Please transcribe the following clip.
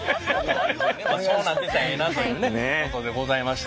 そうなってたらええなというねことでございました。